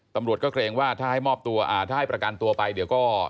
ตำรวจก็เกรงว่าถ้าให้มอบตัวอ่าถ้าให้ประกันตัวไปเดี๋ยวก็